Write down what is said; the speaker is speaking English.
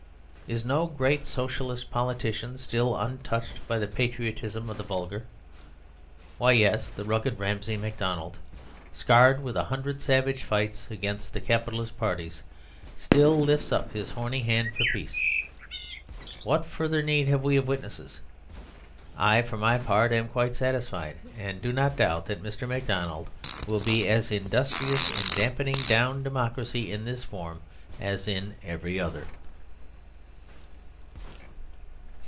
Is no great Socialist politician still untouched by the patriotism of the vulgar? Why, yes; the rugged Ramsay MacDonald, scarred with a hundred savage fights against the capitalist parties, still lifts up his horny hand for peace. What further need have we of witnesses? I, for my part, am quite satisfied, and do not doubt that Mr. MacDonald will be as industrious in damping down democracy in this form as in every other.